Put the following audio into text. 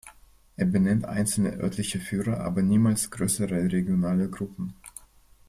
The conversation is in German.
Er benennt einzelne örtliche Führer, aber niemals größere regionale Gruppen.